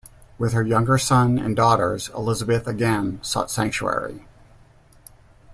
With her younger son and daughters, Elizabeth again sought sanctuary.